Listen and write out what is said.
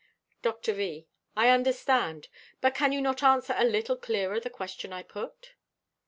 Dr. V.—"I understand; but can you not answer a little clearer the question I put?"